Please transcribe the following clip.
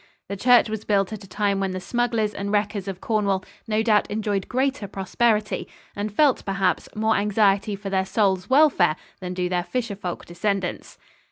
The church was built at a time when the smugglers and wreckers of Cornwall no doubt enjoyed greater prosperity and felt, perhaps, more anxiety for their souls' welfare than do their fisher folk descendants.